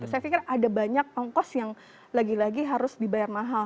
saya pikir ada banyak ongkos yang lagi lagi harus dibayar mahal